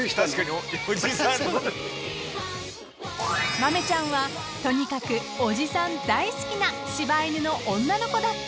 ［マメちゃんはとにかくおじさん大好きな柴犬の女の子だった］